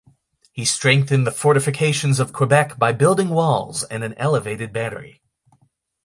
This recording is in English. He strengthened the fortifications of Quebec by building walls and an elevated battery.